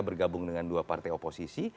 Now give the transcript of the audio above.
bergabung dengan dua partai oposisi